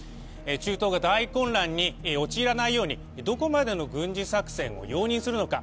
中東が大混乱に陥らないようにどこまでの軍事作戦を容認するのか。